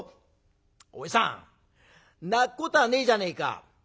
「おじさん泣くことはねえじゃねえか。